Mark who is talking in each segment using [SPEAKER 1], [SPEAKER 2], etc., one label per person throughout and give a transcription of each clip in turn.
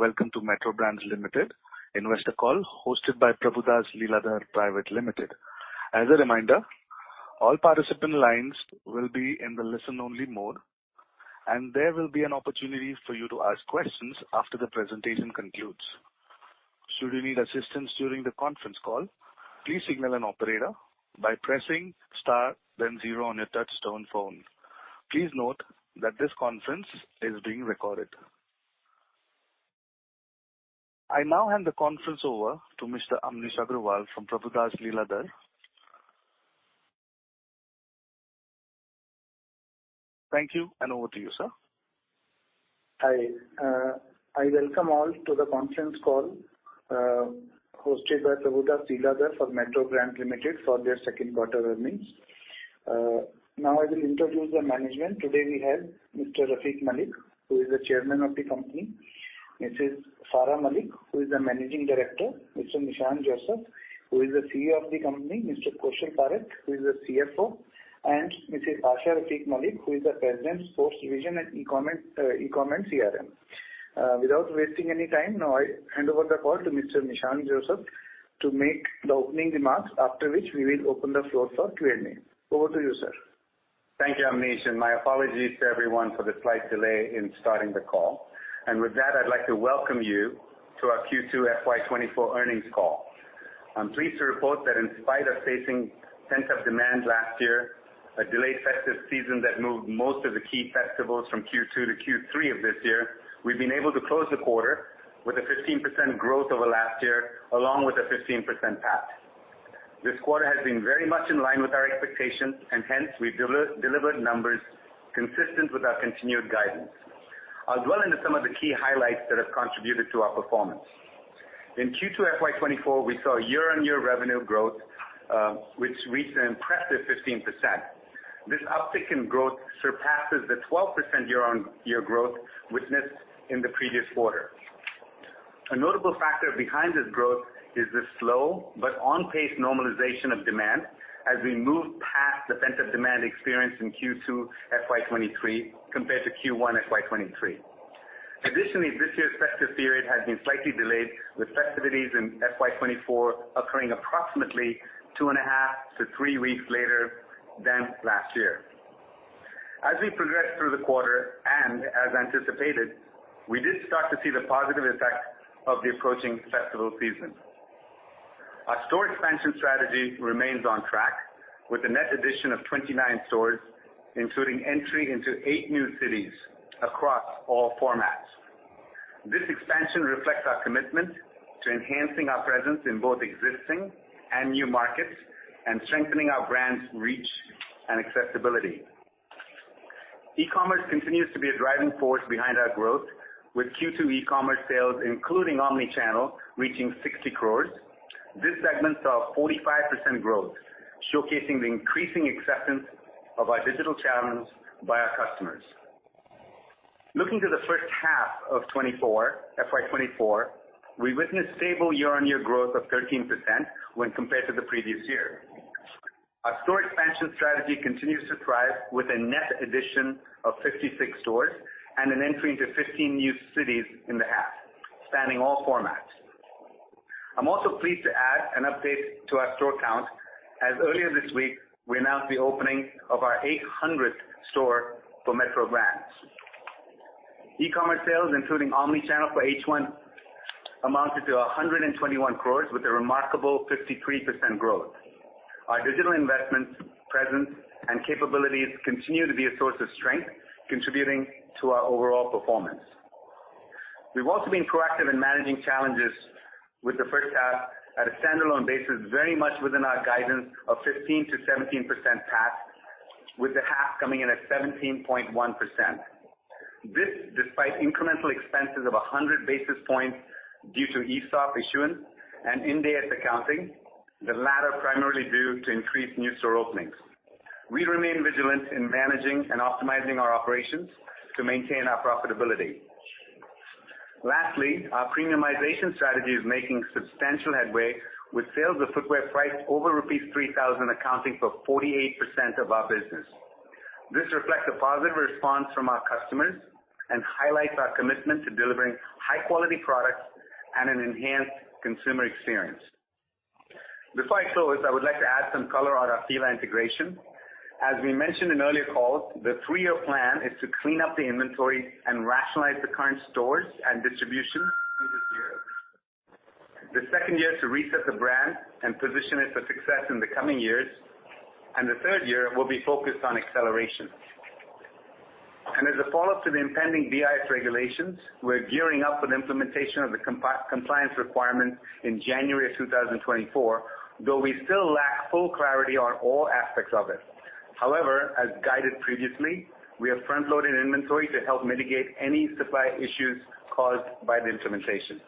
[SPEAKER 1] Welcome to Metro Brands Limited investor call hosted by Prabhudas Lilladher Private Limited. As a reminder, all participant lines will be in the listen-only mode, there will be an opportunity for you to ask questions after the presentation concludes. Should you need assistance during the conference call, please signal an operator by pressing star then zero on your touch-tone phone. Please note that this conference is being recorded. I now hand the conference over to Mr. Amnish Aggarwal from Prabhudas Lilladher. Thank you, and over to you, sir.
[SPEAKER 2] Hi. I welcome all to the conference call hosted by Prabhudas Lilladher for Metro Brands Limited for their second quarter earnings. Now I will introduce the management. Today we have Mr. Rafique Malik, who is the Chairman of the company, Mrs. Farah Malik, who is the Managing Director, Mr. Nissan Joseph, who is the CEO of the company, Mr. Kaushal Parekh, who is the CFO, and Mrs. Alisha Rafique Malik, who is the President, sports division at e-commerce CRM. Without wasting any time, now I hand over the call to Mr. Nissan Joseph to make the opening remarks, after which we will open the floor for Q&A. Over to you, sir.
[SPEAKER 3] Thank you, Amnish, my apologies to everyone for the slight delay in starting the call. With that, I'd like to welcome you to our Q2 FY 2024 earnings call. I'm pleased to report that in spite of facing pent-up demand last year, a delayed festive season that moved most of the key festivals from Q2 to Q3 of this year, we've been able to close the quarter with a 15% growth over last year, along with a 15% PAT. This quarter has been very much in line with our expectations, we delivered numbers consistent with our continued guidance. I'll dwell into some of the key highlights that have contributed to our performance. In Q2 FY 2024, we saw year-on-year revenue growth, which reached an impressive 15%. This uptick in growth surpasses the 12% year-on-year growth witnessed in the previous quarter. A notable factor behind this growth is the slow but on-pace normalization of demand as we move past the pent-up demand experience in Q2 FY 2023 compared to Q1 FY 2023. This year's festive period has been slightly delayed, with festivities in FY 2024 occurring approximately two and a half to three weeks later than last year. As we progress through the quarter, as anticipated, we did start to see the positive effects of the approaching festival season. Our store expansion strategy remains on track with a net addition of 29 stores, including entry into eight new cities across all formats. This expansion reflects our commitment to enhancing our presence in both existing and new markets and strengthening our brand's reach and accessibility. E-commerce continues to be a driving force behind our growth, with Q2 e-commerce sales, including omni-channel, reaching 60 crores. This segment saw 45% growth, showcasing the increasing acceptance of our digital channels by our customers. Looking to the first half of FY 2024, we witnessed stable year-on-year growth of 13% when compared to the previous year. Our store expansion strategy continues to thrive with a net addition of 56 stores and an entry into 15 new cities in the half, spanning all formats. I'm also pleased to add an update to our store count, as earlier this week we announced the opening of our 800th store for Metro Brands. E-commerce sales, including omni-channel for H1, amounted to 121 crores with a remarkable 53% growth. Our digital investments, presence, and capabilities continue to be a source of strength, contributing to our overall performance. We've also been proactive in managing challenges with the first half at a standalone basis, very much within our guidance of 15%-17% PAT, with the half coming in at 17.1%. This despite incremental expenses of 100 basis points due to ESOP issuance and Ind AS accounting, the latter primarily due to increased new store openings. We remain vigilant in managing and optimizing our operations to maintain our profitability. Lastly, our premiumization strategy is making substantial headway with sales of footwear priced over rupees 3,000 accounting for 48% of our business. This reflects a positive response from our customers and highlights our commitment to delivering high-quality products and an enhanced consumer experience. Before I close, I would like to add some color on our Fila integration. As we mentioned in earlier calls, the three-year plan is to clean up the inventory and rationalize the current stores and distribution. The second year to reset the brand and position it for success in the coming years, the third year will be focused on acceleration. As a follow-up to the impending BIS regulations, we're gearing up for the implementation of the compliance requirements in January of 2024, though we still lack full clarity on all aspects of it. However, as guided previously, we have front-loaded inventory to help mitigate any supply issues caused by the implementations.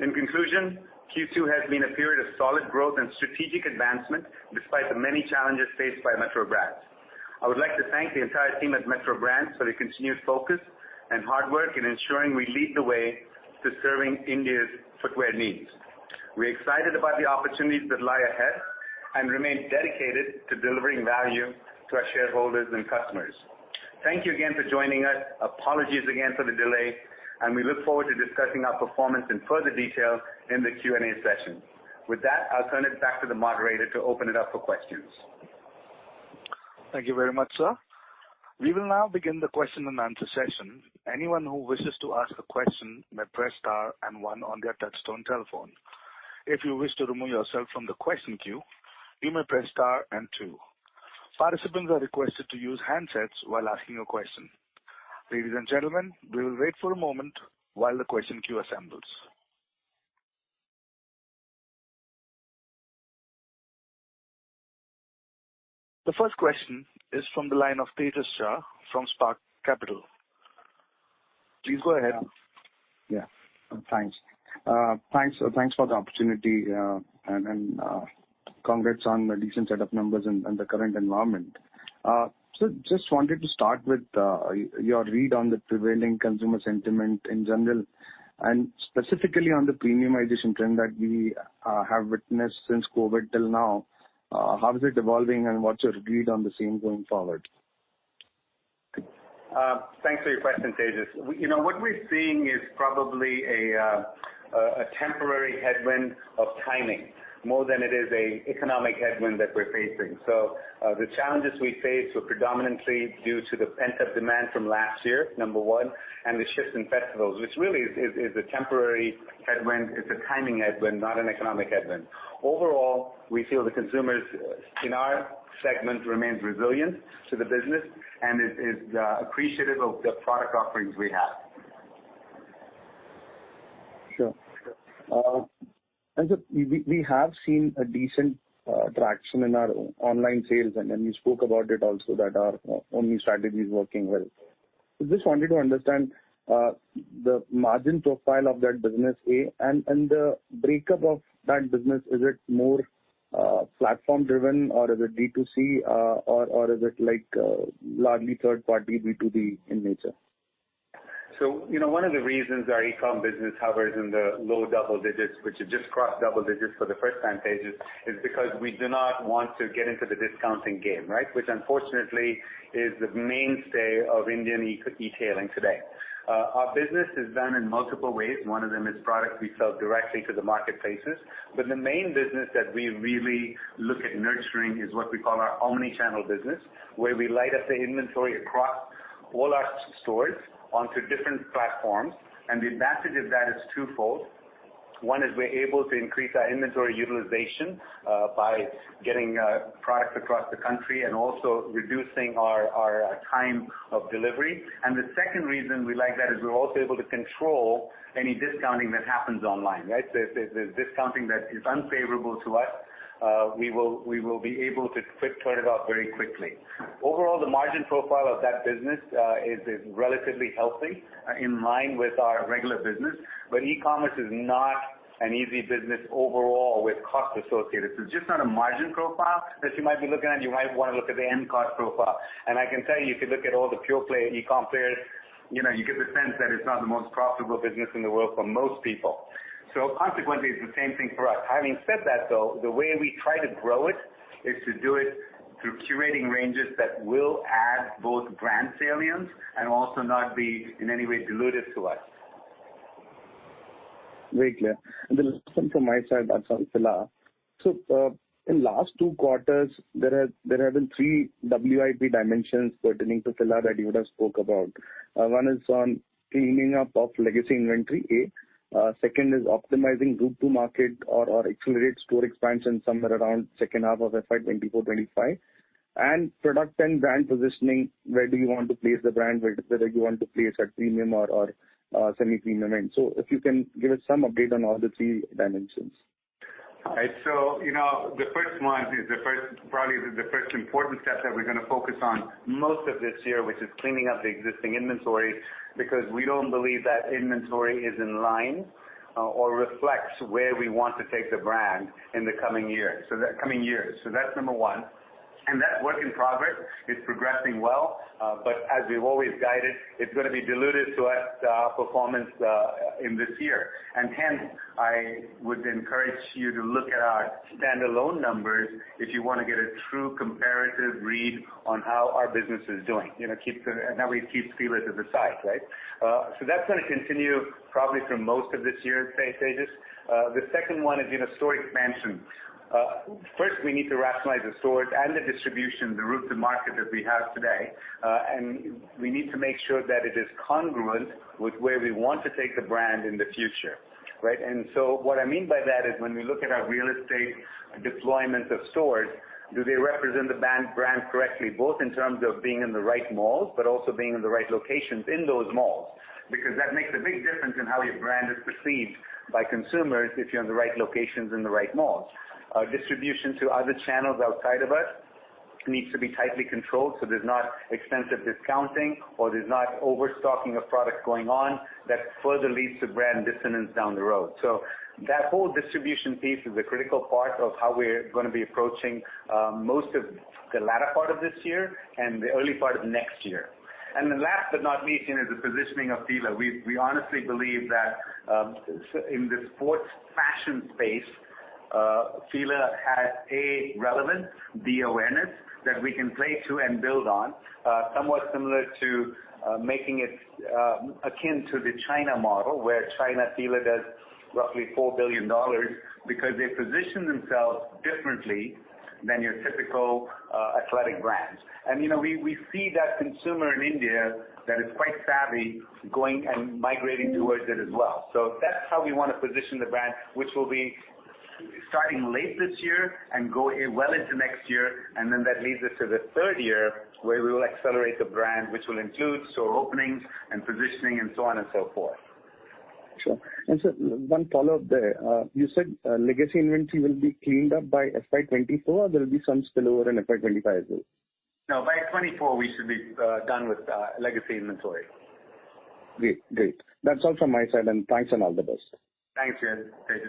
[SPEAKER 3] In conclusion, Q2 has been a period of solid growth and strategic advancement despite the many challenges faced by Metro Brands. I would like to thank the entire team at Metro Brands for their continued focus and hard work in ensuring we lead the way to serving India's footwear needs. We're excited about the opportunities that lie ahead and remain dedicated to delivering value to our shareholders and customers. Thank you again for joining us. Apologies again for the delay, we look forward to discussing our performance in further detail in the Q&A session. I'll turn it back to the moderator to open it up for questions.
[SPEAKER 1] Thank you very much, sir. We will now begin the question and answer session. Anyone who wishes to ask a question may press star and one on their touch-tone telephone. If you wish to remove yourself from the question queue, you may press star and two. Participants are requested to use handsets while asking a question. Ladies and gentlemen, we will wait for a moment while the question queue assembles. The first question is from the line of Tejas Shah from Spark Capital. Please go ahead.
[SPEAKER 4] Yeah. Thanks. Thanks for the opportunity, and congrats on the decent set of numbers in the current environment. Just wanted to start with your read on the prevailing consumer sentiment in general, and specifically on the premiumization trend that we have witnessed since COVID till now. How is it evolving, and what's your read on the same going forward?
[SPEAKER 3] Thanks for your question, Tejas. What we're seeing is probably a temporary headwind of timing more than it is a economic headwind that we're facing. The challenges we face were predominantly due to the pent-up demand from last year, number one, and the shifts in festivals, which really is a temporary headwind. It's a timing headwind, not an economic headwind. Overall, we feel the consumers in our segment remains resilient to the business and is appreciative of the product offerings we have.
[SPEAKER 4] Sure. We have seen a decent traction in our online sales, we spoke about it also that our omni strategy is working well. Just wanted to understand the margin profile of that business, A, and the breakup of that business. Is it more platform-driven, or is it D2C, or is it largely third-party B2B in nature?
[SPEAKER 3] One of the reasons our e-com business hovers in the low double digits, which it just crossed double digits for the first time, Tejas, is because we do not want to get into the discounting game, right? Which unfortunately is the mainstay of Indian e-tailing today. Our business is done in multiple ways. One of them is products we sell directly to the marketplaces. The main business that we really look at nurturing is what we call our omni-channel business, where we light up the inventory across all our stores onto different platforms. The advantage of that is twofold. One is we're able to increase our inventory utilization by getting products across the country and also reducing our time of delivery. The second reason we like that is we're also able to control any discounting that happens online, right? If there's a discounting that is unfavorable to us, we will be able to turn it off very quickly. Overall, the margin profile of that business is relatively healthy, in line with our regular business, but e-commerce is not an easy business overall with costs associated. It's just not a margin profile that you might be looking at. You might want to look at the end cost profile. I can tell you, if you look at all the pure-play e-com players, you get the sense that it's not the most profitable business in the world for most people. Consequently, it's the same thing for us. Having said that, though, the way we try to grow it is to do it through curating ranges that will add both brand salience and also not be in any way dilutive to us.
[SPEAKER 4] Very clear. Then from my side about Fila. In last two quarters, there have been three WIP dimensions pertaining to Fila that you would have spoke about. One is on cleaning up of legacy inventory, A. Second is optimizing route to market or accelerate store expansion somewhere around second half of FY 2024, 2025, and product and brand positioning. Where do you want to place the brand? Whether you want to place at premium or semi-premium end. If you can give us some update on all the three dimensions.
[SPEAKER 3] The first one probably is the first important step that we're going to focus on most of this year, which is cleaning up the existing inventory, because we don't believe that inventory is in line or reflects where we want to take the brand in the coming years. That's number 1. That work in progress is progressing well, but as we've always guided, it's going to be dilutive to our performance in this year. Hence, I would encourage you to look at our standalone numbers if you want to get a true comparative read on how our business is doing. That way it keeps Fila to the side, right? That's going to continue probably for most of this year, Tejas. The second one is store expansion. First, we need to rationalize the stores and the distribution, the route to market that we have today. We need to make sure that it is congruent with where we want to take the brand in the future, right? What I mean by that is when we look at our real estate deployment of stores, do they represent the brand correctly, both in terms of being in the right malls, but also being in the right locations in those malls? That makes a big difference in how your brand is perceived by consumers if you're in the right locations in the right malls. Our distribution to other channels outside of us needs to be tightly controlled so there's not extensive discounting or there's not overstocking of product going on that further leads to brand dissonance down the road. That whole distribution piece is a critical part of how we're going to be approaching most of the latter part of this year and the early part of next year. Last but not least is the positioning of Fila. We honestly believe that in the sports fashion space, Fila has, A, relevance, B, awareness that we can play to and build on, somewhat similar to making it akin to the China model, where China Fila does roughly $4 billion because they position themselves differently than your typical athletic brands. We see that consumer in India that is quite savvy going and migrating towards it as well. That's how we want to position the brand, which will be starting late this year and go well into next year, that leads us to the third year, where we will accelerate the brand, which will include store openings and positioning and so on and so forth.
[SPEAKER 4] Sure. Sir, one follow-up there. You said legacy inventory will be cleaned up by FY 2024, or there will be some spillover in FY 2025 as well?
[SPEAKER 3] By 2024 we should be done with legacy inventory.
[SPEAKER 4] Great. That's all from my side then. Thanks all the best.
[SPEAKER 3] Thanks, Tejas. Cheers.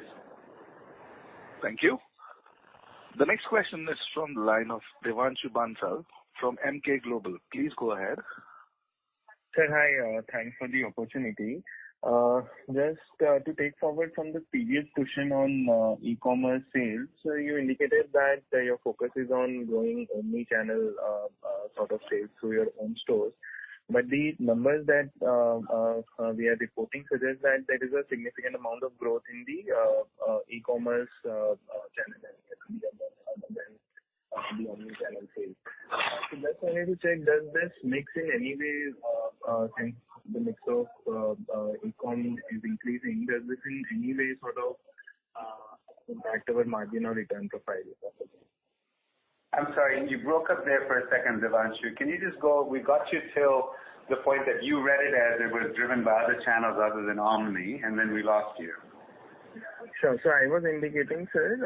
[SPEAKER 1] Thank you. The next question is from the line of Devanshu Bansal from Emkay Global. Please go ahead.
[SPEAKER 5] Sir, hi. Thanks for the opportunity. Just to take forward from the previous question on e-commerce sales, you indicated that your focus is on growing omni-channel sort of sales through your own stores. The numbers that we are reporting suggest that there is a significant amount of growth in the e-commerce channel omni-channel sales. Just wanted to check, does this mix in any way change the mix of e-com is increasing? Does this in any way sort of impact our margin or return profile going forward?
[SPEAKER 3] I'm sorry, you broke up there for a second, Devanshu. Can you just go. We got you till the point that you read it as it was driven by other channels other than omni, and then we lost you.
[SPEAKER 5] Sure. I was indicating, sir,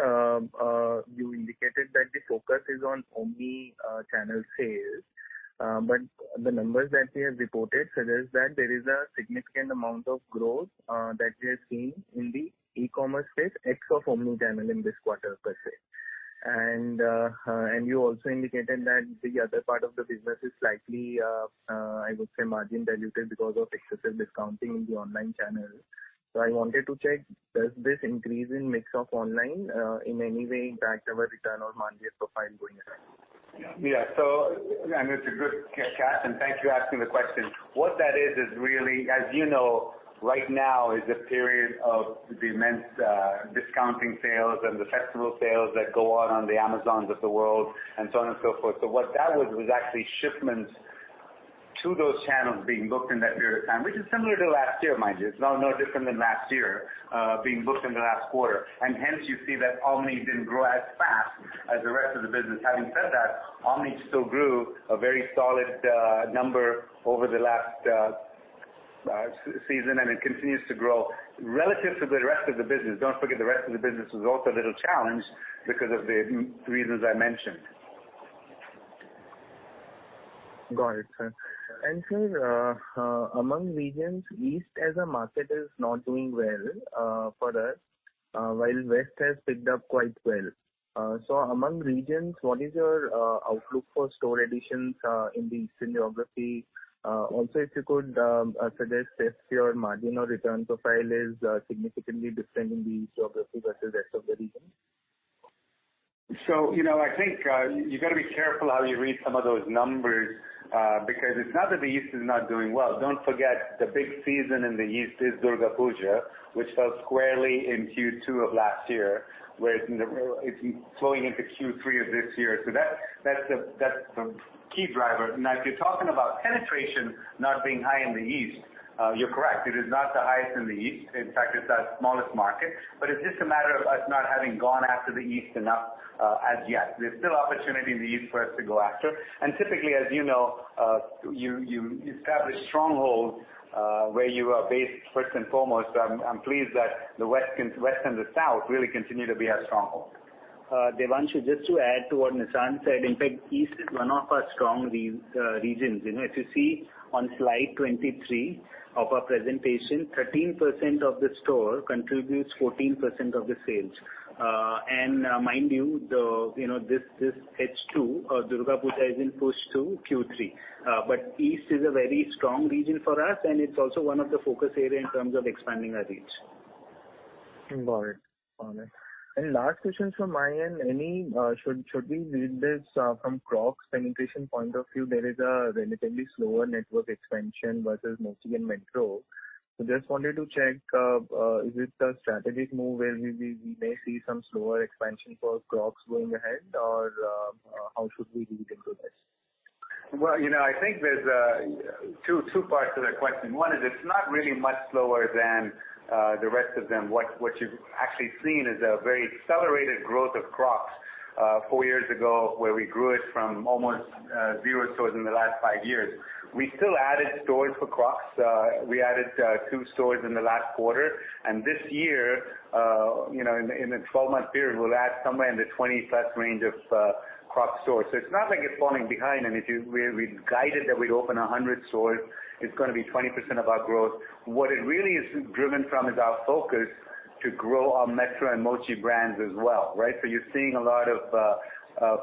[SPEAKER 5] you indicated that the focus is on omni-channel sales. The numbers that we have reported suggest that there is a significant amount of growth that we are seeing in the e-commerce space x of omni-channel in this quarter, per se. You also indicated that the other part of the business is slightly, I would say, margin diluted because of excessive discounting in the online channel. I wanted to check, does this increase in mix of online in any way impact our return on margin profile going ahead?
[SPEAKER 3] Yeah. It's a good catch, and thank you asking the question. What that is really, as you know, right now is a period of the immense discounting sales and the festival sales that go on on the Amazons of the world and so on and so forth. What that was actually shipments to those channels being booked in that period of time, which is similar to last year, mind you. It's no different than last year, being booked in the last quarter. Hence you see that omni didn't grow as fast as the rest of the business. Having said that, omni still grew a very solid number over the last season, and it continues to grow relative to the rest of the business. Don't forget, the rest of the business was also a little challenged because of the reasons I mentioned.
[SPEAKER 5] Got it, sir. Sir, among regions, East as a market is not doing well for us, while West has picked up quite well. Among regions, what is your outlook for store additions in the Eastern geography? Also if you could suggest if your margin or return profile is significantly different in the East geography versus rest of the regions.
[SPEAKER 3] I think you got to be careful how you read some of those numbers, because it's not that the East is not doing well. Don't forget, the big season in the East is Durga Puja, which fell squarely in Q2 of last year, where it's flowing into Q3 of this year. That's the key driver. Now, if you're talking about penetration not being high in the East, you're correct. It is not the highest in the East. In fact, it's our smallest market. But it's just a matter of us not having gone after the East enough as yet. There's still opportunity in the East for us to go after. Typically, as you know, you establish strongholds where you are based first and foremost. I'm pleased that the West and the South really continue to be our stronghold.
[SPEAKER 6] Devanshu, just to add to what Nissan said, in fact, East is one of our strong regions. If you see on slide 23 of our presentation, 13% of the store contributes 14% of the sales. Mind you, this H2, Durga Puja is in push to Q3. But East is a very strong region for us, and it's also one of the focus area in terms of expanding our reach.
[SPEAKER 5] Got it. Last question from my end. Should we read this from Crocs penetration point of view? There is a relatively slower network expansion versus Mochi and Metro. Just wanted to check, is it a strategic move where we may see some slower expansion for Crocs going ahead? How should we read into this?
[SPEAKER 3] Well, I think there's two parts to that question. One is it's not really much slower than the rest of them. What you've actually seen is a very accelerated growth of Crocs four years ago, where we grew it from almost zero stores in the last five years. We still added stores for Crocs. We added two stores in the last quarter. This year, in the 12-month period, we'll add somewhere in the 20-plus range of Crocs stores. It's not like it's falling behind. We've guided that we'd open 100 stores. It's going to be 20% of our growth. What it really is driven from is our focus to grow our Metro and Mochi brands as well, right? You're seeing a lot of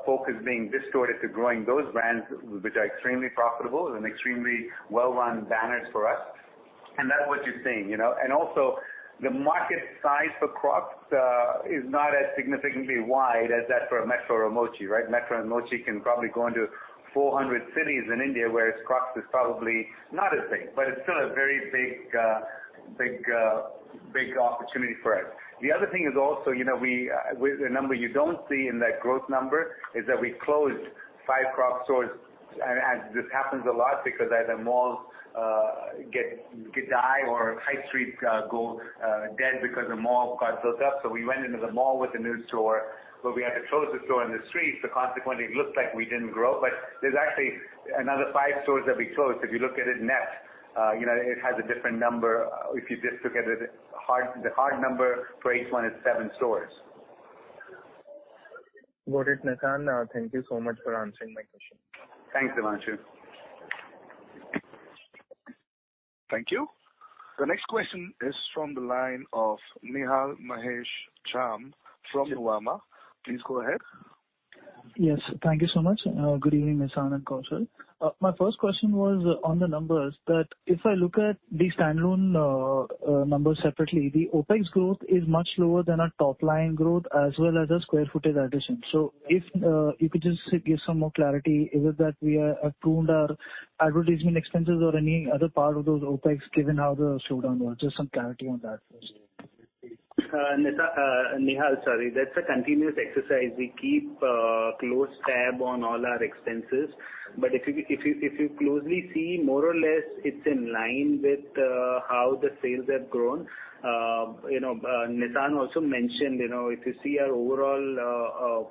[SPEAKER 3] focus being distorted to growing those brands, which are extremely profitable and extremely well-run banners for us. That's what you're seeing. Also, the market size for Crocs is not as significantly wide as that for a Metro or a Mochi, right? Metro and Mochi can probably go into 400 cities in India, whereas Crocs is probably not as big. It's still a very big opportunity for us. The other thing is also, the number you don't see in that growth number is that we closed five Crocs stores, and this happens a lot because either malls die or high streets go dead because a mall got built up. We went into the mall with a new store, but we had to close the store in the street, consequently, it looked like we didn't grow. There's actually another five stores that we closed. If you look at it net, it has a different number. If you just look at it, the hard number for H1 is seven stores.
[SPEAKER 5] Got it, Nissan. Thank you so much for answering my question.
[SPEAKER 3] Thanks, Devanshu.
[SPEAKER 1] Thank you. The next question is from the line of Nihal Mahesh Jham from Nuvama. Please go ahead.
[SPEAKER 7] Yes, thank you so much. Good evening, Nissan and Kaushal. My first question was on the numbers, that if I look at the standalone numbers separately, the OpEx growth is much lower than our top-line growth as well as the square footage addition. If you could just give some more clarity, is it that we have pruned our advertisement expenses or any other part of those OpExes given how the slowdown was? Just some clarity on that first.
[SPEAKER 6] Nihal, that's a continuous exercise. We keep a close tab on all our expenses. If you closely see, more or less it's in line with how the sales have grown. Nissan also mentioned, if you see our overall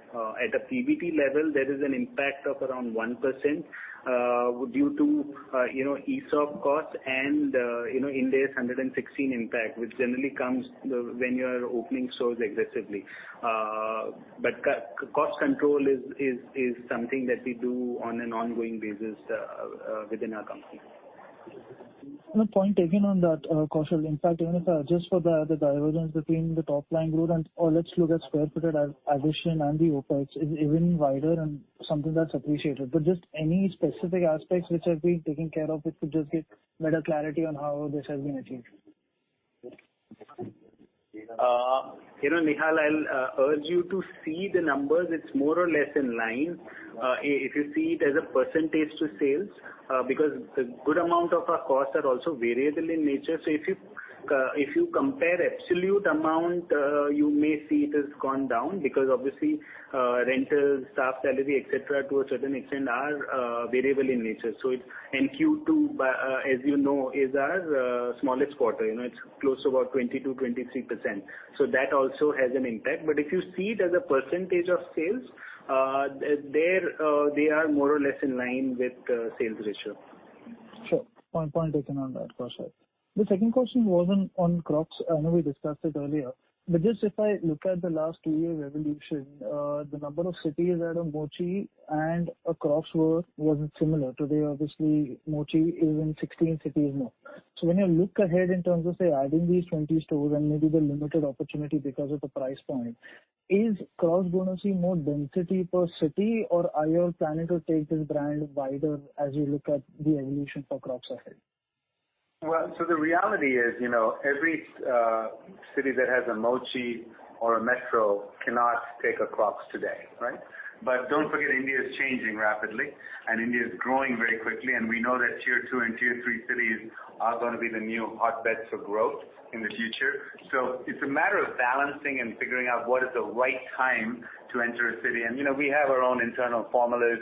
[SPEAKER 6] at a PBT level, there is an impact of around 1% due to ESOP costs and Ind AS 116 impact, which generally comes when you are opening stores aggressively. Cost control is something that we do on an ongoing basis within our company.
[SPEAKER 7] Point taken on that, Kaushal. In fact, even if I adjust for the divergence between the top-line growth and, or let's look at square footage addition and the OpEx, is even wider and something that's appreciated. Just any specific aspects which have been taken care of, if you just give better clarity on how this has been achieved.
[SPEAKER 6] Nihal, I'll urge you to see the numbers. It's more or less in line. If you see it as a percentage to sales, because a good amount of our costs are also variable in nature. If you compare absolute amount, you may see it has gone down because obviously, rentals, staff salary, et cetera, to a certain extent are variable in nature. In Q2, as you know, is our smallest quarter. It's close to about 22%-23%. That also has an impact. If you see it as a percentage of sales, they are more or less in line with sales ratio.
[SPEAKER 7] Sure. Point taken on that, Kaushal. The second question was on Crocs. I know we discussed it earlier, but just if I look at the last two-year evolution, the number of cities that a Mochi and a Crocs were wasn't similar. Today, obviously, Mochi is in 16 cities now. When you look ahead in terms of, say, adding these 20 stores and maybe the limited opportunity because of the price point, is Crocs going to see more density per city or are you all planning to take this brand wider as you look at the evolution for Crocs ahead?
[SPEAKER 3] The reality is, every city that has a Mochi or a Metro cannot take a Crocs today, right? Don't forget, India is changing rapidly, and India is growing very quickly, and we know that tier 2 and tier 3 cities are going to be the new hotbeds for growth in the future. It's a matter of balancing and figuring out what is the right time to enter a city. We have our own internal formulas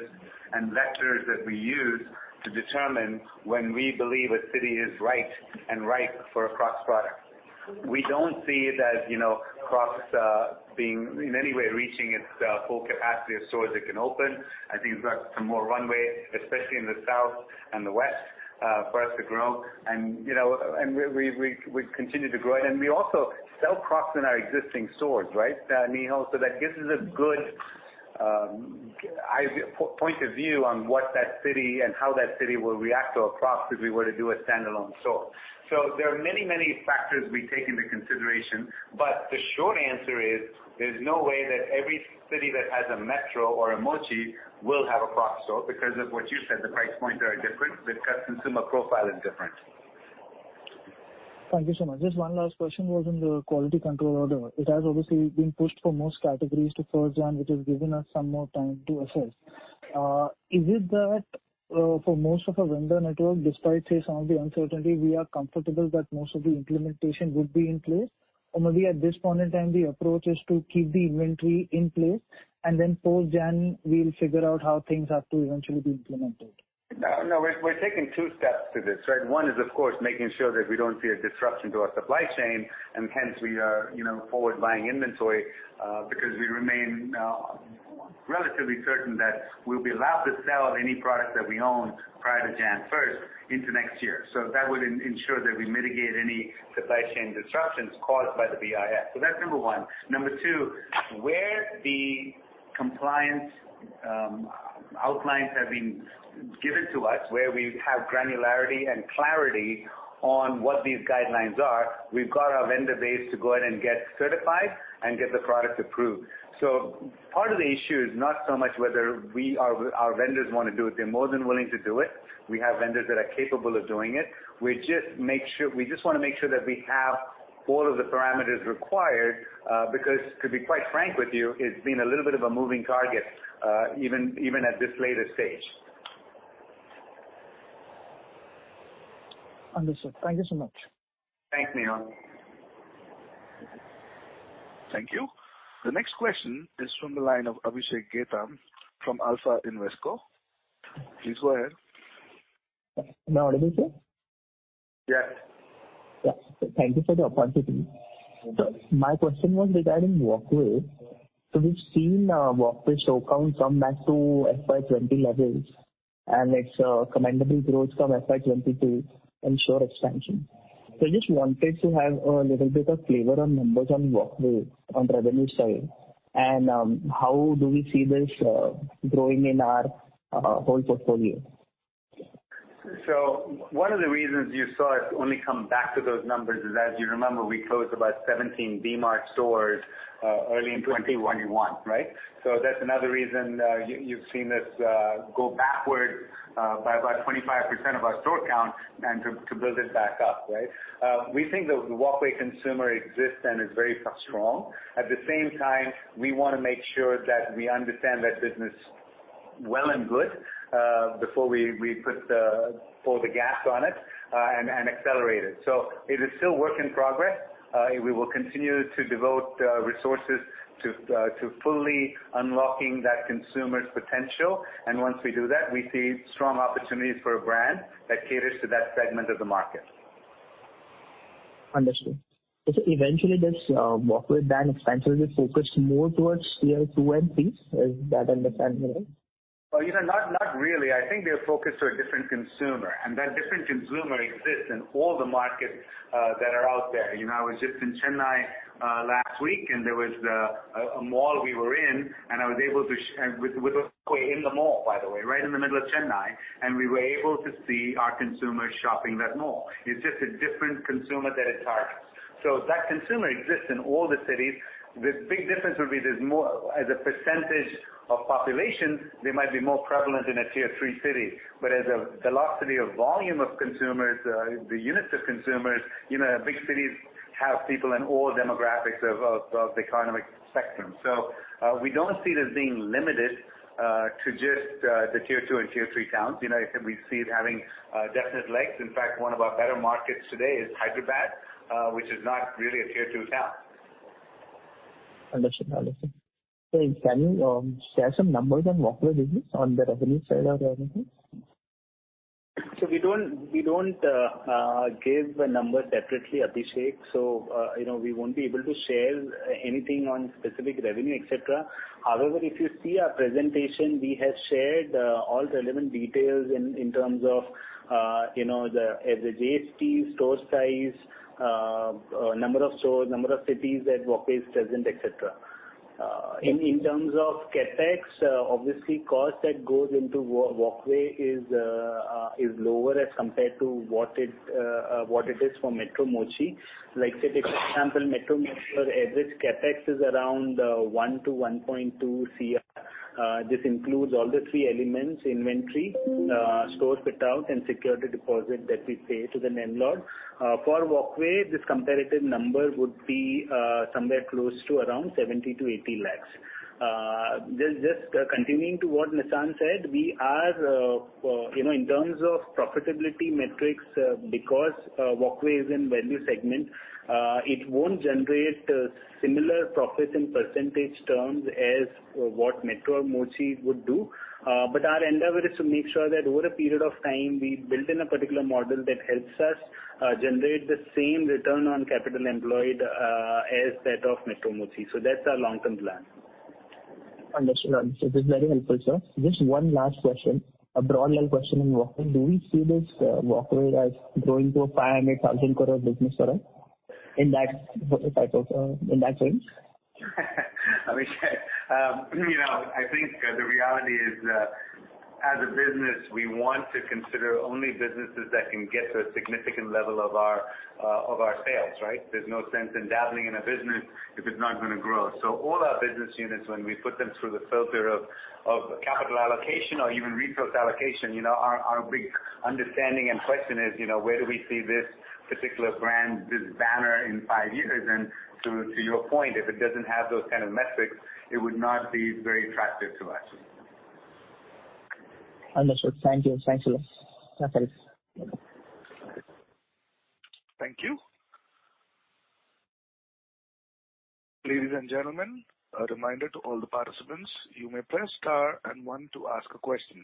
[SPEAKER 3] and vectors that we use to determine when we believe a city is right and ripe for a Crocs product. We don't see that Crocs being in any way reaching its full capacity of stores it can open. I think we've got some more runway, especially in the South and the West, for us to grow. We continue to grow it. We also sell Crocs in our existing stores, Nihal, so that gives us a good point of view on what that city and how that city will react to a Crocs if we were to do a standalone store. There are many, many factors we take into consideration. The short answer is, there's no way that every city that has a Metro or a Mochi will have a Crocs store because of what you said, the price points are different, the customer profile is different.
[SPEAKER 7] Thank you so much. Just one last question was on the quality control order. It has obviously been pushed for most categories to post-Jan, which has given us some more time to assess. Is it that for most of our vendor network, despite, say, some of the uncertainty, we are comfortable that most of the implementation would be in place? Or maybe at this point in time, the approach is to keep the inventory in place, and then post-Jan, we'll figure out how things are to eventually be implemented.
[SPEAKER 3] No, we are taking two steps to this, right? One is, of course, making sure that we do not see a disruption to our supply chain, and hence we are forward-buying inventory because we remain relatively certain that we will be allowed to sell any product that we own prior to Jan 1st into next year. That would ensure that we mitigate any supply chain disruptions caused by the BIS. That is number one. Number two, where the compliance outlines have been given to us where we have granularity and clarity on what these guidelines are. We have got our vendor base to go ahead and get certified and get the product approved. Part of the issue is not so much whether our vendors want to do it. They are more than willing to do it. We have vendors that are capable of doing it. We just want to make sure that we have all of the parameters required, because to be quite frank with you, it has been a little bit of a moving target, even at this later stage.
[SPEAKER 7] Understood. Thank you so much.
[SPEAKER 3] Thanks, Nihal.
[SPEAKER 1] Thank you. The next question is from the line of Abhishek Getam from ICICI Securities. Please go ahead.
[SPEAKER 8] Am I audible, sir?
[SPEAKER 1] Yes.
[SPEAKER 8] Thank you for the opportunity.
[SPEAKER 1] Welcome.
[SPEAKER 8] My question was regarding Walkway. We've seen Walkway store count come back to FY 2020 levels, and it's a commendable growth from FY 2022 and store expansion. I just wanted to have a little bit of flavor on numbers on Walkway on revenue side and how do we see this growing in our whole portfolio?
[SPEAKER 3] One of the reasons you saw us only come back to those numbers is, as you remember, we closed about 17 Bmart stores early in 2021, right? That's another reason you've seen this go backward by about 25% of our store count and to build it back up, right? We think the Walkway consumer exists and is very strong. At the same time, we want to make sure that we understand that business well and good before we put all the gas on it and accelerate it. It is still work in progress. We will continue to devote resources to fully unlocking that consumer's potential. Once we do that, we see strong opportunities for a brand that caters to that segment of the market.
[SPEAKER 8] Understood. Eventually, this Walkway brand expansion will focus more towards tier 2 and 3? Is that understanding right?
[SPEAKER 3] Not really. I think they're focused to a different consumer, and that different consumer exists in all the markets that are out there. I was just in Chennai last week, and there was a mall we were in, and it was Walkway in the mall, by the way, right in the middle of Chennai, and we were able to see our consumers shopping that mall. It's just a different consumer that it targets. That consumer exists in all the cities. The big difference would be as a percentage of population, they might be more prevalent in a tier 3 city. As a velocity of volume of consumers, the units of consumers, big cities have people in all demographics of the economic spectrum. We don't see it as being limited to just the tier 2 and tier 3 towns. We see it having definite legs. In fact, one of our better markets today is Hyderabad, which is not really a tier 2 town.
[SPEAKER 8] Understood. Can you share some numbers on Walkway business on the revenue side or anything?
[SPEAKER 6] We don't give a number separately, Abhishek, so we won't be able to share anything on specific revenue, et cetera. However, if you see our presentation, we have shared all relevant details in terms of the average ASP, store size, number of stores, number of cities that Walkway is present, et cetera. In terms of CapEx, obviously, cost that goes into Walkway is lower as compared to what it is for Metro Mochi. Like, say, for example, Metro Mochi, average CapEx is around 1 to 1.2 crore. This includes all the 3 elements, inventory, store fit-out, and security deposit that we pay to the landlord. For Walkway, this comparative number would be somewhere close to around 70 lakh to 80 lakh. Just continuing to what Nissan said, in terms of profitability metrics, because Walkway is in value segment, it won't generate similar profits in percentage terms as what Metro Mochi would do. Our endeavor is to make sure that over a period of time, we build in a particular model that helps us generate the same return on capital employed as that of MetroMochi. That's our long-term plan.
[SPEAKER 8] Understood. This is very helpful, sir. Just one last question, a broad level question on Walkway. Do we see this Walkway as growing to an 500 crore, 1,000 crore business for us, in that range?
[SPEAKER 3] Abhishek, I think the reality is, as a business, we want to consider only businesses that can get to a significant level of our sales, right? There's no sense in dabbling in a business if it's not going to grow. All our business units, when we put them through the filter of capital allocation or even resource allocation, our big understanding and question is, where do we see this particular brand, this banner, in five years? To your point, if it doesn't have those kind of metrics, it would not be very attractive to us.
[SPEAKER 8] Understood. Thank you. Thanks a lot.
[SPEAKER 1] Thank you. Ladies and gentlemen, a reminder to all the participants, you may press star and one to ask a question.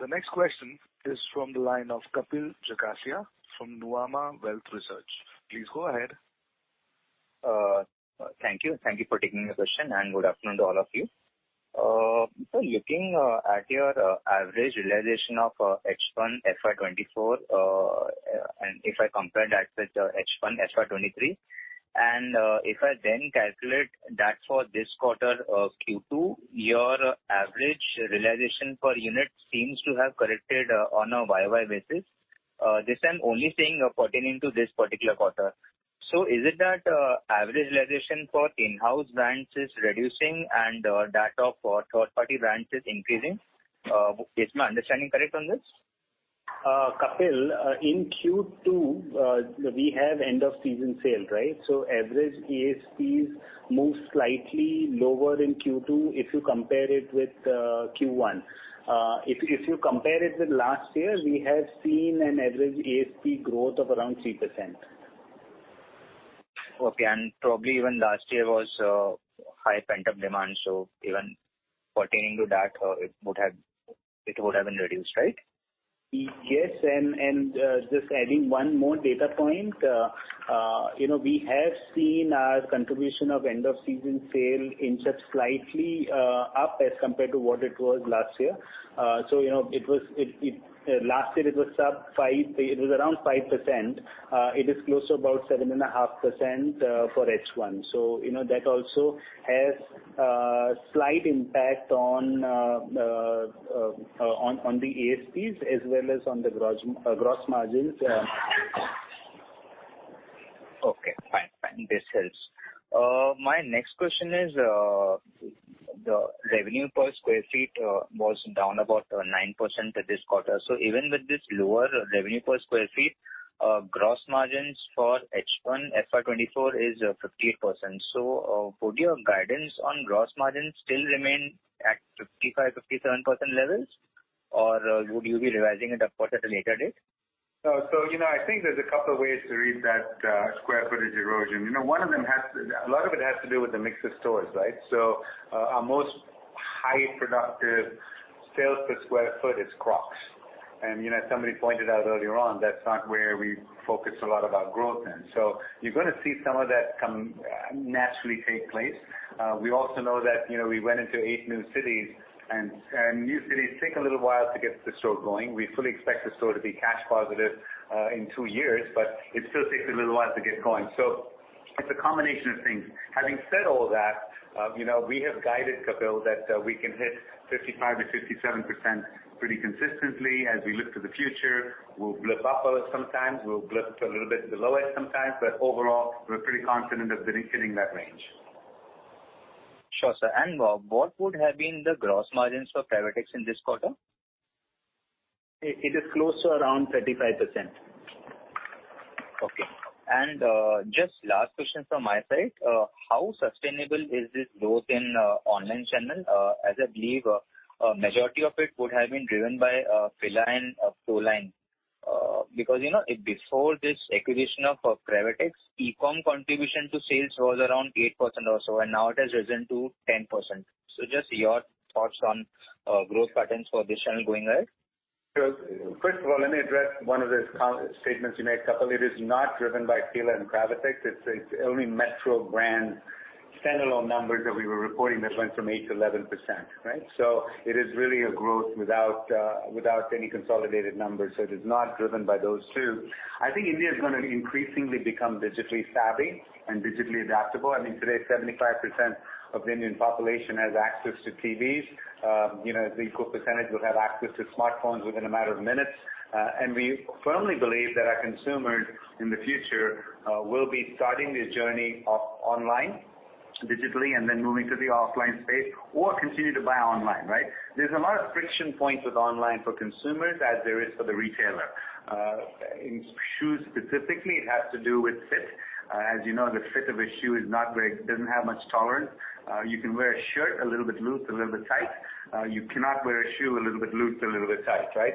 [SPEAKER 1] The next question is from the line of Kapil Jagasia from Nuvama Wealth Research. Please go ahead.
[SPEAKER 9] Thank you. Thank you for taking the question, good afternoon to all of you. Sir, looking at your average realization of H1 FY 2024, if I compare that with H1 FY 2023. If I then calculate that for this quarter of Q2, your average realization per unit seems to have corrected on a Y-O-Y basis. This I'm only saying pertaining to this particular quarter. Is it that average realization for in-house brands is reducing and that of our third-party brands is increasing? Is my understanding correct on this?
[SPEAKER 6] Kapil, in Q2, we have end of season sale, right? Average ASPs move slightly lower in Q2 if you compare it with Q1. If you compare it with last year, we have seen an average ASP growth of around 3%.
[SPEAKER 9] Okay. Probably even last year was a high pent-up demand, even pertaining to that, it would have been reduced, right?
[SPEAKER 6] Yes, just adding one more data point. We have seen our contribution of end of season sale inch up slightly up as compared to what it was last year. Last year it was around 5%. It is close to about 7.5% for H1. That also has a slight impact on the ASPs as well as on the gross margins.
[SPEAKER 9] Okay. Fine. This helps. My next question is, the revenue per square feet was down about 9% this quarter. Even with this lower revenue per square feet, gross margins for H1 FY 2024 is 58%. Would your guidance on gross margins still remain at 55%-57% levels? Or would you be revising it of course at a later date?
[SPEAKER 6] I think there's a couple of ways to read that square footage erosion. A lot of it has to do with the mix of stores, right? Our most high productive sales per square foot is Crocs. Somebody pointed out earlier on, that's not where we focus a lot of our growth in. You're gonna see some of that naturally take place. We also know that we went into eight new cities, and new cities take a little while to get the store going. We fully expect the store to be cash positive in two years, but it still takes a little while to get going. It's a combination of things. Having said all that, we have guided, Kapil, that we can hit 55%-57% pretty consistently as we look to the future.
[SPEAKER 3] We'll blip up a little sometimes, we'll blip a little bit below it sometimes, overall, we're pretty confident of hitting that range.
[SPEAKER 9] Sure, sir. What would have been the gross margins for Cravatex in this quarter?
[SPEAKER 6] It is close to around 35%.
[SPEAKER 9] Okay. Just last question from my side. How sustainable is this growth in online channel? I believe, a majority of it would have been driven by Fila and Proline. Before this acquisition of Cravatex, e-com contribution to sales was around 8% or so, and now it has risen to 10%. Just your thoughts on growth patterns for this channel going ahead.
[SPEAKER 6] First of all, let me address one of the statements you made, Kapil. It is not driven by Fila and Cravatex. It's only Metro Brands standalone numbers that we were reporting that went from 8% to 11%, right? It is really a growth without any consolidated numbers. It is not driven by those two. I think India is going to increasingly become digitally savvy and digitally adaptable. I mean, today, 75% of the Indian population has access to TVs. An equal percentage will have access to smartphones within a matter of minutes. We firmly believe that our consumers in the future will be starting their journey off online, digitally, and then moving to the offline space or continue to buy online, right? There's a lot of friction points with online for consumers as there is for the retailer.
[SPEAKER 3] In shoes specifically, it has to do with fit. As you know, the fit of a shoe doesn't have much tolerance. You can wear a shirt a little bit loose, a little bit tight. You cannot wear a shoe a little bit loose, a little bit tight, right?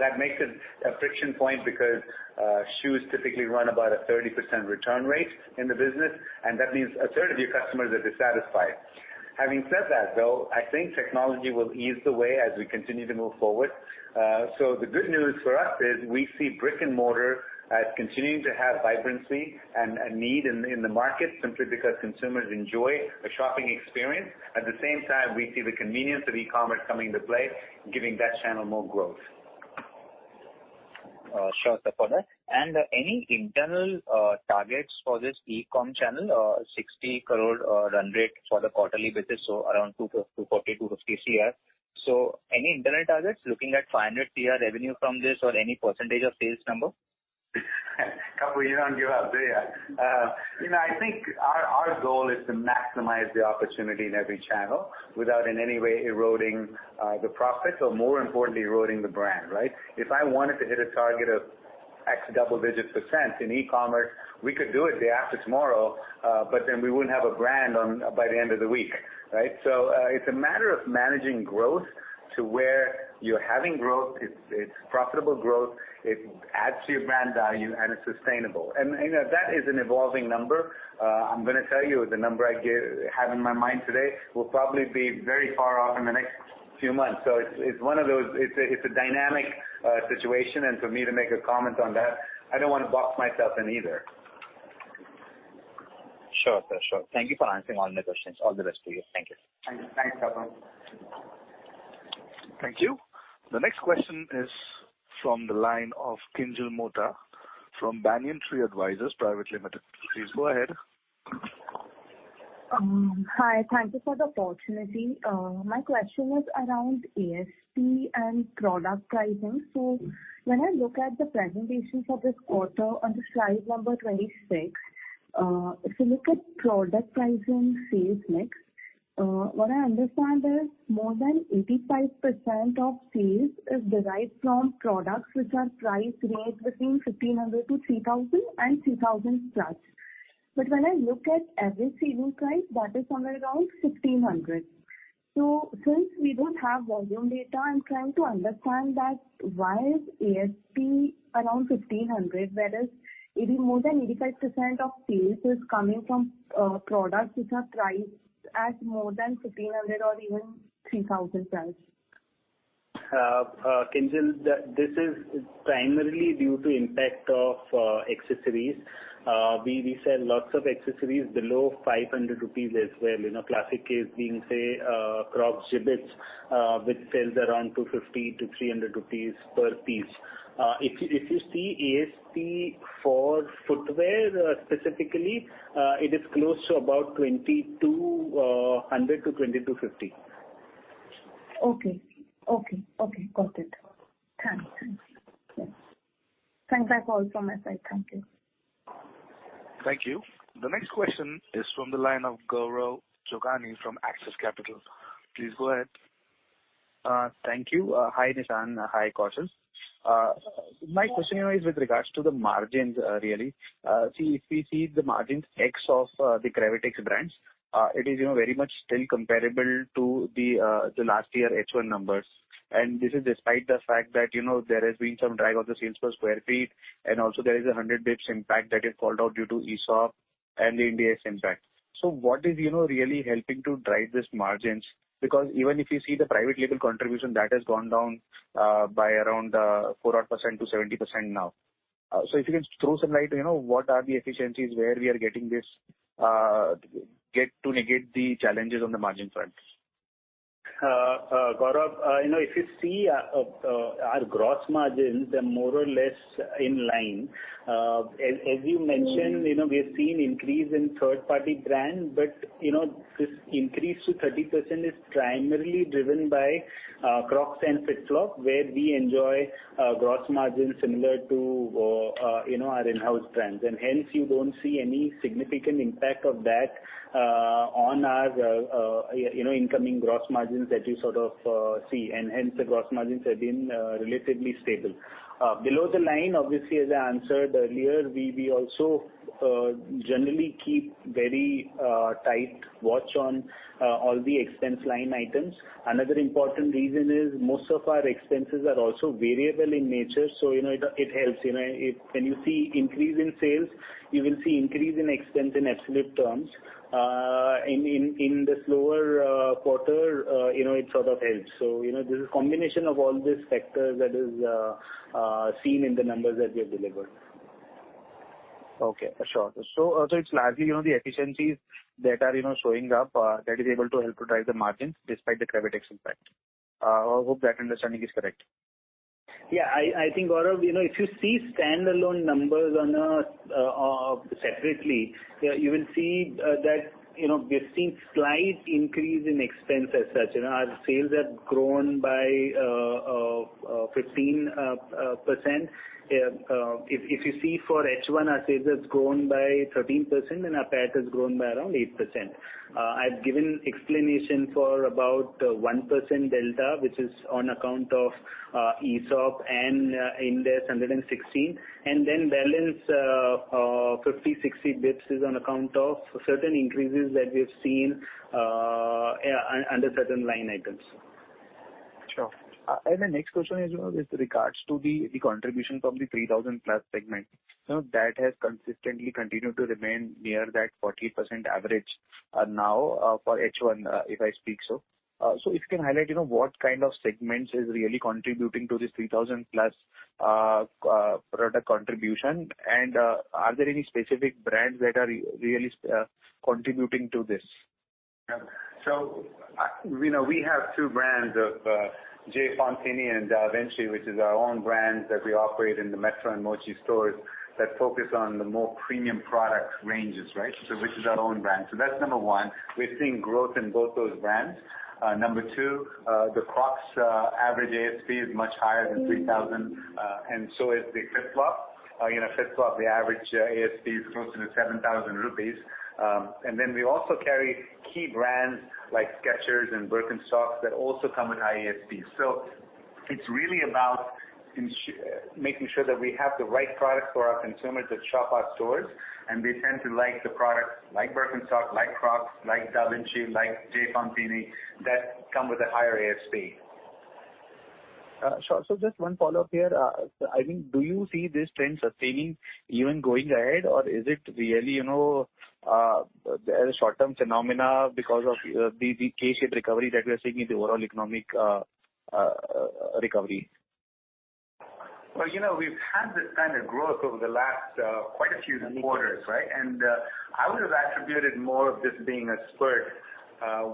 [SPEAKER 3] That makes it a friction point because shoes typically run about a 30% return rate in the business, and that means a third of your customers are dissatisfied. Having said that, though, I think technology will ease the way as we continue to move forward. The good news for us is we see brick and mortar as continuing to have vibrancy and a need in the market simply because consumers enjoy a shopping experience. At the same time, we see the convenience of e-commerce coming into play, giving that channel more growth.
[SPEAKER 9] Sure, sir. Any internal targets for this e-com channel, 60 crore run rate for the quarterly basis, around 240 crore, 250 crore. Any internal targets looking at 500 crore revenue from this or any percentage of sales number?
[SPEAKER 3] Kapil, you don't give up, do you? I think our goal is to maximize the opportunity in every channel without in any way eroding the profits or more importantly, eroding the brand, right? If I wanted to hit a target of X double digit percent in e-commerce, we could do it day after tomorrow, but then we wouldn't have a brand by the end of the week, right? It's a matter of managing growth to where you're having growth, it's profitable growth, it adds to your brand value, and it's sustainable. That is an evolving number. I'm gonna tell you, the number I have in my mind today will probably be very far off in the next few months. It's a dynamic situation, and for me to make a comment on that, I don't want to box myself in either.
[SPEAKER 9] Sure, sir. Thank you for answering all my questions. All the best to you. Thank you.
[SPEAKER 6] Thanks, Kapil Jagasia.
[SPEAKER 1] Thank you. The next question is from the line of Kinjal Mota from Banyan Tree Advisors Private Limited. Please go ahead.
[SPEAKER 10] Hi. Thank you for the opportunity. My question was around ASP and product pricing. When I look at the presentations of this quarter on slide 26, if you look at product pricing sales mix, what I understand is more than 85% of sales is derived from products which are price range between 1,500-3,000 and 3,000 plus. But when I look at average sales price, that is somewhere around 1,500. Since we don't have volume data, I'm trying to understand that why is ASP around 1,500, whereas it is more than 85% of sales is coming from products which are priced at more than 1,500 or even INR 3,000 plus.
[SPEAKER 6] Kinjal, this is primarily due to impact of accessories. We sell lots of accessories below 500 rupees as well. Classic case being, say, Crocs Jibbitz, which sells around 250-300 rupees per piece. If you see ASP for footwear specifically, it is close to about 2,200-2,250.
[SPEAKER 10] Okay. Got it. Thanks. Thanks. That's all from my side. Thank you.
[SPEAKER 1] Thank you. The next question is from the line of Gaurav Jogani from Axis Capital. Please go ahead.
[SPEAKER 11] Thank you. Hi, Nissan. Hi, Kaushal. My question is with regards to the margins, really. See, if we see the margins ex of the Cravatex brands, it is very much still comparable to the last year H1 numbers. This is despite the fact that there has been some drag of the sales per sq ft, and also there is 100 basis points impact that has fallen out due to ESOP and the Ind AS impact. What is really helping to drive these margins? Even if you see the private label contribution, that has gone down by around 4% to 70% now. If you can throw some light, what are the efficiencies where we are getting this to negate the challenges on the margin front?
[SPEAKER 6] Gaurav, if you see our gross margins, they're more or less in line. As you mentioned, we have seen increase in third-party brand, this increase to 30% is primarily driven by Crocs and FitFlop, where we enjoy gross margins similar to our in-house brands. Hence you don't see any significant impact of that on our incoming gross margins that you sort of see. Hence the gross margins have been relatively stable. Below the line, obviously, as I answered earlier, we also generally keep very tight watch on all the expense line items. Another important reason is most of our expenses are also variable in nature, it helps. When you see increase in sales, you will see increase in expense in absolute terms. In the slower quarter, it sort of helps. This is combination of all these factors that is seen in the numbers that we have delivered.
[SPEAKER 11] It's largely the efficiencies that are showing up that is able to help to drive the margins despite the Cravatex impact. Hope that understanding is correct.
[SPEAKER 6] I think, Gaurav, if you see standalone numbers separately, you will see that we're seeing slight increase in expense as such. Our sales have grown by 15%. If you see for H1, our sales has grown by 13%, and our PAT has grown by around 8%. I've given explanation for about 1% delta, which is on account of ESOP and Ind AS 116, and then balance 50, 60 basis points is on account of certain increases that we have seen under certain line items.
[SPEAKER 11] The next question is with regards to the contribution from the 3,000-plus segment. That has consistently continued to remain near that 40% average now for H1, if I speak so. If you can highlight what kind of segments is really contributing to this 3,000-plus product contribution, and are there any specific brands that are really contributing to this?
[SPEAKER 3] We have two brands of J. Fontini and Davinci, which is our own brands that we operate in the Metro and Mochi stores that focus on the more premium product ranges, which is our own brand. That's number one. We're seeing growth in both those brands. Number two, the Crocs average ASP is much higher than 3,000, and so is the FitFlop. FitFlop, the average ASP is closer to ₹7,000. We also carry key brands like Skechers and Birkenstock that also come with high ASPs. It's really about making sure that we have the right product for our consumers that shop our stores, and they tend to like the products like Birkenstock, like Crocs, like Davinci, like J. Fontini, that come with a higher ASP.
[SPEAKER 11] Sure. Just one follow-up here. I mean, do you see this trend sustaining even going ahead, or is it really a short-term phenomena because of the K-shaped recovery that we are seeing in the overall economic recovery?
[SPEAKER 3] Well, we've had this kind of growth over the last quite a few quarters, right? I would've attributed more of this being a spurt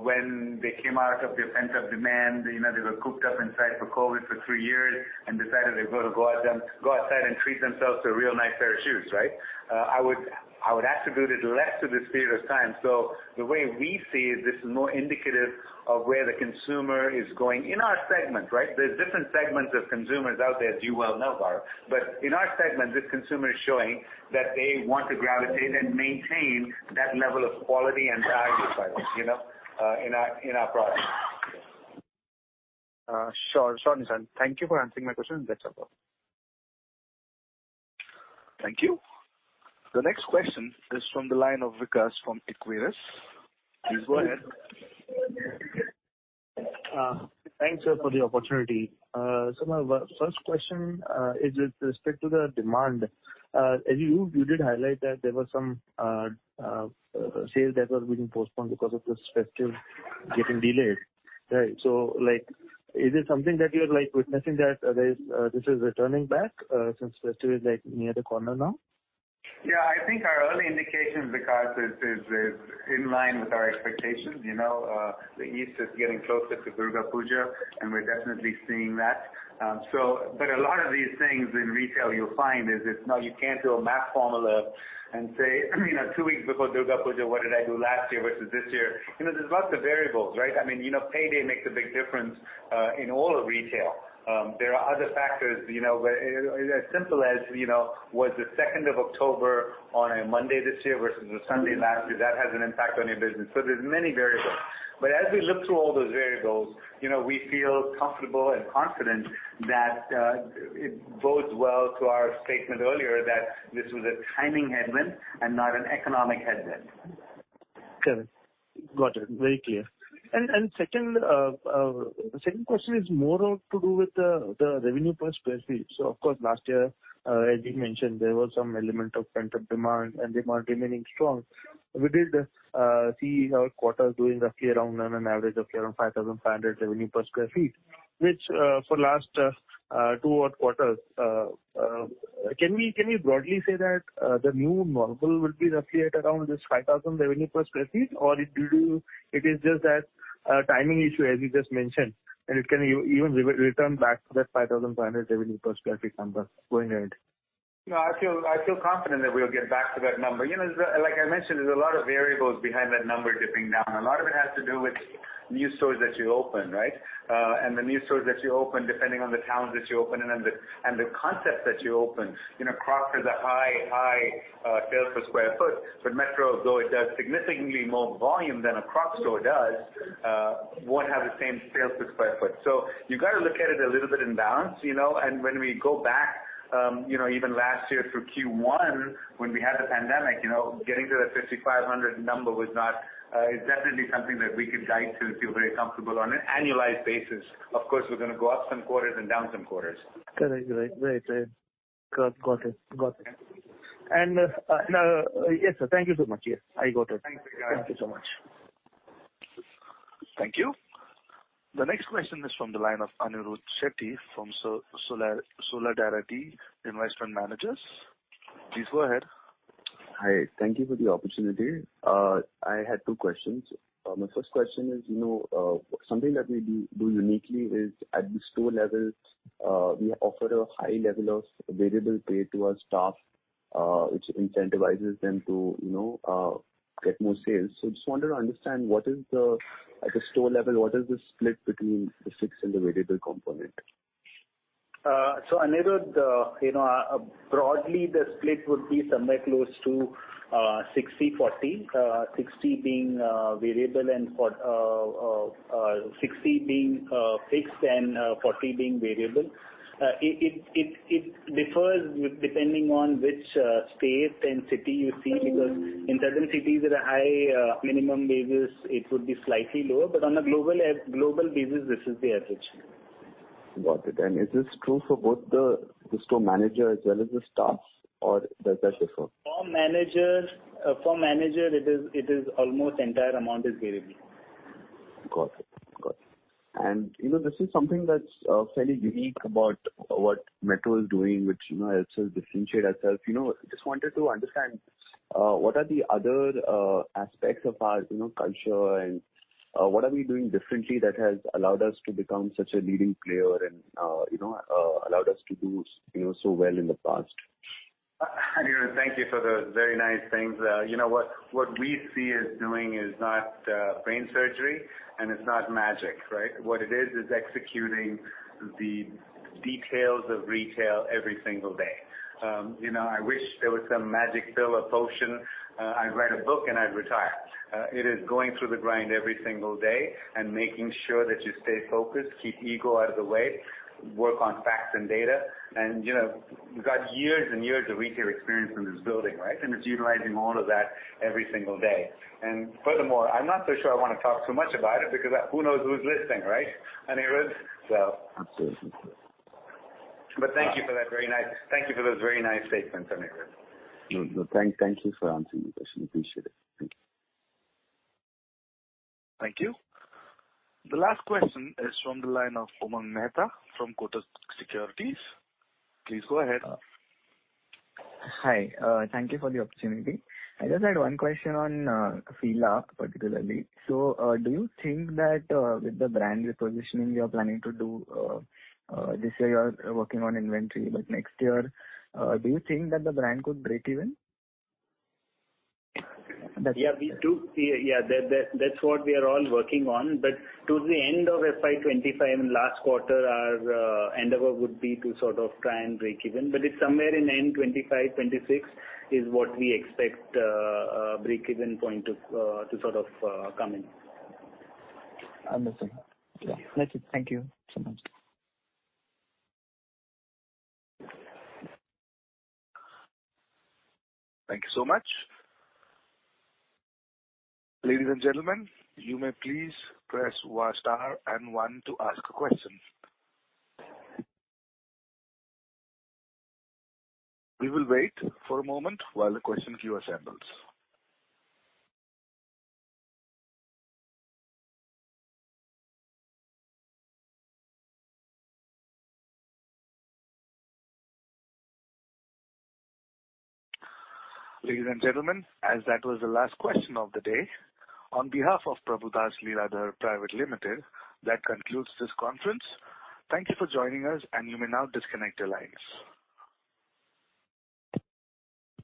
[SPEAKER 3] when they came out of the pent-up demand. They were cooped up inside for COVID for three years and decided they were going to go outside and treat themselves to a real nice pair of shoes, right? I would attribute it less to this period of time. The way we see it, this is more indicative of where the consumer is going in our segment, right? There's different segments of consumers out there, as you well know, Bharat. In our segment, this consumer is showing that they want to gravitate and maintain that level of quality and value in our products.
[SPEAKER 11] Sure, Nissan. Thank you for answering my question. That's all.
[SPEAKER 1] Thank you. The next question is from the line of Vikas from Equirus. Please go ahead.
[SPEAKER 12] Thanks for the opportunity. My first question is with respect to the demand. As you did highlight that there were some sales that were being postponed because of the festive getting delayed, right? Is it something that you're witnessing that this is returning back since festive is near the corner now?
[SPEAKER 3] I think our early indication, Vikas, is in line with our expectations. The East is getting closer to Durga Puja, and we're definitely seeing that. A lot of these things in retail you'll find is, no, you can't do a math formula and say, two weeks before Durga Puja, what did I do last year versus this year? There's lots of variables, right? Payday makes a big difference in all of retail. There are other factors, where as simple as, was the 2nd of October on a Monday this year versus a Sunday last year? That has an impact on your business. There's many variables. As we look through all those variables, we feel comfortable and confident that it bodes well to our statement earlier that this was a timing headwind and not an economic headwind.
[SPEAKER 12] Got it. Very clear. Second question is more to do with the revenue per square feet. Of course last year, as you mentioned, there was some element of pent-up demand and demand remaining strong. We did see our quarter doing roughly around on an average of around 5,500 revenue per square feet, which for last two odd quarters. Can we broadly say that the new normal will be roughly at around this 5,000 revenue per square feet? It is just that timing issue as you just mentioned, and it can even return back to that 5,500 revenue per square feet number going ahead?
[SPEAKER 3] No, I feel confident that we'll get back to that number. Like I mentioned, there's a lot of variables behind that number dipping down. A lot of it has to do with new stores that you open, right? The new stores that you open, depending on the towns that you open in and the concept that you open. Crocs is a high sales per square foot, but Metro, although it does significantly more volume than a Crocs store does, won't have the same sales per square foot. You got to look at it a little bit in balance. When we go back, even last year through Q1 when we had the pandemic, getting to that 5,500 number is definitely something that we could guide to feel very comfortable on an annualized basis. Of course, we're going to go up some quarters and down some quarters.
[SPEAKER 12] Correct. Right. Got it.
[SPEAKER 3] Okay.
[SPEAKER 12] Yes, sir. Thank you so much. Yes, I got it.
[SPEAKER 3] Thanks, Vikas.
[SPEAKER 12] Thank you so much.
[SPEAKER 1] Thank you. The next question is from the line of Anirudh Shetty from Solidarity Investment Managers. Please go ahead.
[SPEAKER 13] Hi. Thank you for the opportunity. I had two questions. My first question is, something that we do uniquely is at the store level, we offer a high level of variable pay to our staff, which incentivizes them to get more sales. Just wanted to understand, at the store level, what is the split between the fixed and the variable component?
[SPEAKER 6] Anirudh, broadly, the split would be somewhere close to 60-40, 60 being fixed and 40 being variable. It differs depending on which state and city you see, because in certain cities with a high minimum wages, it would be slightly lower. On a global basis, this is the average.
[SPEAKER 13] Got it. Is this true for both the store manager as well as the staff, or does that differ?
[SPEAKER 6] For manager, it is almost entire amount is variable.
[SPEAKER 13] Got it. This is something that's fairly unique about what Metro is doing, which also differentiate ourself. Just wanted to understand, what are the other aspects of our culture and what are we doing differently that has allowed us to become such a leading player and allowed us to do so well in the past?
[SPEAKER 3] Anirudh, thank you for the very nice things. What we see us doing is not brain surgery. It's not magic, right? What it is executing the details of retail every single day. I wish there was some magic pill or potion, I'd write a book and I'd retire. It is going through the grind every single day and making sure that you stay focused, keep ego out of the way, work on facts and data. We've got years and years of retail experience in this building, right? It's utilizing all of that every single day. Furthermore, I'm not so sure I want to talk too much about it because who knows who's listening, right, Anirudh?
[SPEAKER 13] Absolutely.
[SPEAKER 3] Thank you for those very nice statements, Anirudh.
[SPEAKER 13] Thank you for answering my question. Appreciate it. Thank you.
[SPEAKER 1] Thank you. The last question is from the line of Umang Mehta from Kotak Securities. Please go ahead.
[SPEAKER 14] Hi. Thank you for the opportunity. I just had one question on Fila particularly. Do you think that with the brand repositioning you're planning to do, this year you're working on inventory, but next year, do you think that the brand could break even?
[SPEAKER 3] Yeah. That's what we are all working on. To the end of FY 2025 and last quarter, our endeavor would be to sort of try and break even. It's somewhere in end 2025, 2026 is what we expect a break-even point to sort of come in.
[SPEAKER 14] Understood.
[SPEAKER 3] Yeah.
[SPEAKER 14] That's it. Thank you so much.
[SPEAKER 1] Thank you so much. Ladies and gentlemen, you may please press star and one to ask a question. We will wait for a moment while the question queue assembles. Ladies and gentlemen, as that was the last question of the day, on behalf of Prabhudas Lilladher Private Limited, that concludes this conference. Thank you for joining us, and you may now disconnect your lines.